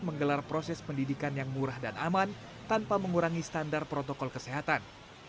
menggelar proses pendidikan yang murah dan aman tanpa mengurangi standar protokol kesehatan